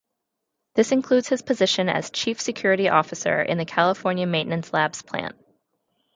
This includes his position as chief security officer in the California Maintenance Labs plant.